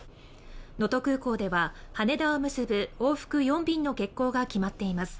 能登空港では羽田を結ぶ往復４便の欠航が決まっています